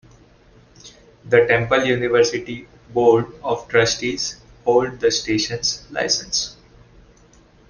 The Temple University Board of Trustees holds the station's license.